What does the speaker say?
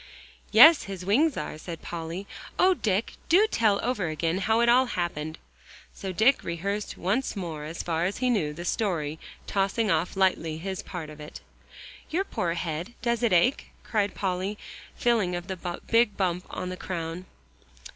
"Yes, his wings are," said Polly. "Oh, Dick! do tell over again how it all happened." So Dick rehearsed once more as far as he knew the story, tossing off lightly his part of it. "Your poor head, does it ache?" cried Polly, feeling of the big bump on the crown.